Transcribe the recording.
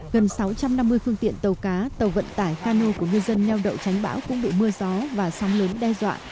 gần sáu trăm năm mươi phương tiện tàu cá tàu vận tải cano của ngư dân nheo đậu tránh bão cũng bị mưa gió và sóng lớn đe dọa